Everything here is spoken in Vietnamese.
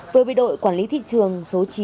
với bị đội quản lý thị trường số chín